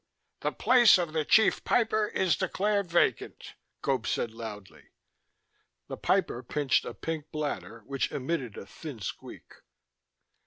"The place of the Chief Piper is declared vacant," Gope said loudly. The piper pinched a pink bladder, which emitted a thin squeak.